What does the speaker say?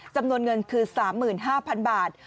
จำนวนเงินคือ๓๕๐๐๐บาท